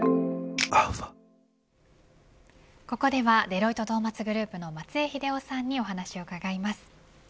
ここではデロイトトーマツグループの松江英夫さんにお話を伺います。